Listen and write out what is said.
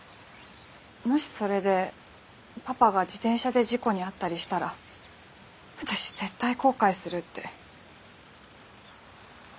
もしそれでパパが自転車で事故に遭ったりしたら私絶対後悔するって。